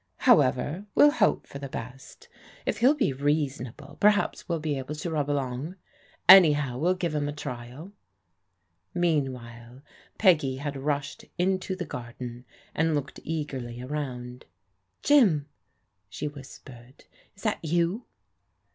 However, we'll hope for the best. If hell PEG'S CAERTINa ON 29 be reasonable perhaps we'll be able to rub along. Any how, we'll give him a trial." Meanwhile Peggy had rushed into the garden, and looked eagerly around. " Jim," she whispered, " is that you